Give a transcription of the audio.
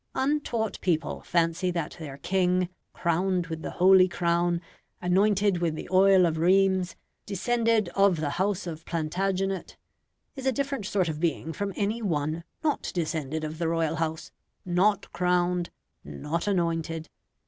Untaught people fancy that their king, crowned with the holy crown, anointed with the oil of Rheims, descended of the House of Plantagenet, is a different sort of being from any one not descended of the Royal House not crowned not anointed.